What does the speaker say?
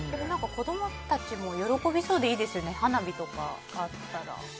子供たちも喜びそうでいいですよね、花火とかあったら。